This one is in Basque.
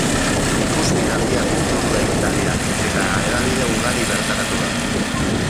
Ikusmin handia piztu du ekitaldiak, eta hedabide ugari bertaratu da.